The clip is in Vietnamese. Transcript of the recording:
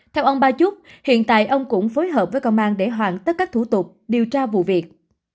theo ông ba trúc hiện tại ông cũng phối hợp với công an để hoàn tất các thủ tục điều tra vụ việc